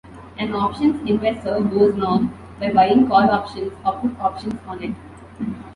An options investor goes long by buying call options or put options on it.